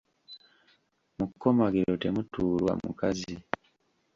Mu kkomagiro temutuulwa mukazi.